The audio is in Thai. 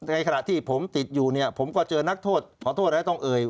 ในขณะที่ผมติดอยู่เนี่ยผมก็เจอนักโทษขอโทษนะต้องเอ่ย